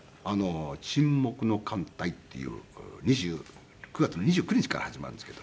『沈黙の艦隊』っていう９月の２９日から始まるんですけど。